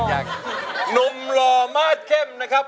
หนุ่มหลอมากเข้มนะครับ